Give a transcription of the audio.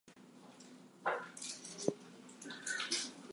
That would be selfish.